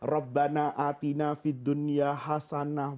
rabbana atina fidunya hasanah